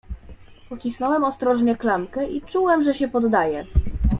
"Pocisnąłem ostrożnie klamkę i czułem, że się poddaje."